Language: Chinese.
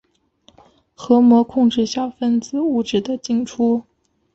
核膜控制小分子物质的进出。